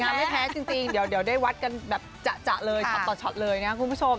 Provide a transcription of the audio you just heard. ไม่แพ้จริงเดี๋ยวได้วัดกันแบบจะเลยช็อตต่อช็อตเลยนะคุณผู้ชม